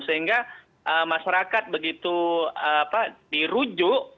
sehingga masyarakat begitu dirujuk